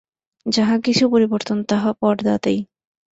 যাহা কিছু পরিবর্তন, তাহা পর্দাতেই।